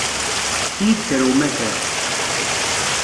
Fket-iyi-d kra umatar.